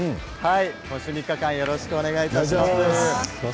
今週３日間よろしくお願いします。